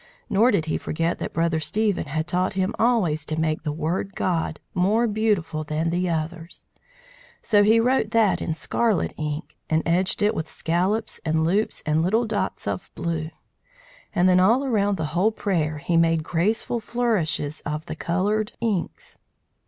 Nor did he forget that Brother Stephen had taught him always to make the word God more beautiful than the others; so he wrote that in scarlet ink, and edged it with scallops and loops and little dots of blue; and then all around the whole prayer he made graceful flourishes of the coloured inks.